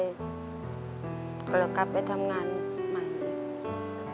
เรากลับไปทำงานใหม่